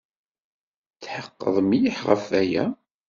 Tḥeqqeɣ mliḥ ɣef waya!